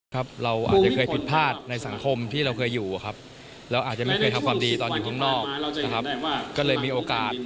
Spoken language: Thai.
ก็เลยมีโอกาส